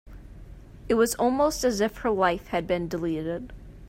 It was almost as if her life had been deleted.